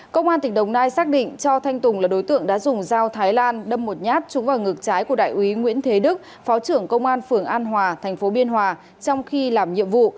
công an tỉnh đồng nai xác định cho thanh tùng là đối tượng đã dùng dao thái lan đâm một nhát trúng vào ngực trái của đại úy nguyễn thế đức phó trưởng công an phường an hòa thành phố biên hòa trong khi làm nhiệm vụ